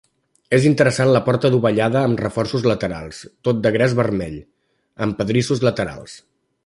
És interessant la porta dovellada amb reforços laterals, tots de gres vermell, amb pedrissos laterals.